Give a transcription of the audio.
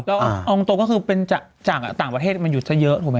แล้วเอาตรงก็คือเป็นจากต่างประเทศมันอยู่ซะเยอะถูกไหม